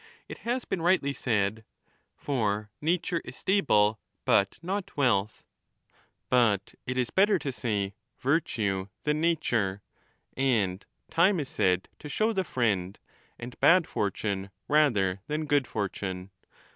It has been rightly said, ' for nature is stable but not wealth ',^ but it is still better to say * virtue ' than ' nature '; and Time is said to show the friend,* and 15 bad fortune rather than good fortune.